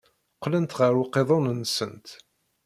Qqlent ɣer uqiḍun-nsent.